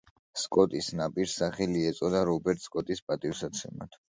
სკოტის ნაპირს სახელი ეწოდა რობერტ სკოტის პატივსაცემად.